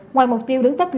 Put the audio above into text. ngoài mục tiêu đứng top năm